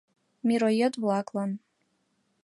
Мироед-влаклан!